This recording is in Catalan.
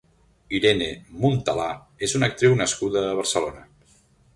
Irene Montalà és una actriu nascuda a Barcelona.